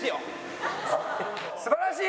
素晴らしい！